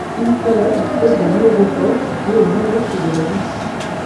In Salah dispose d'un aéroport situé à au nord est de la ville.